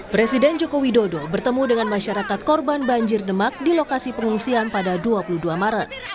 presiden joko widodo bertemu dengan masyarakat korban banjir demak di lokasi pengungsian pada dua puluh dua maret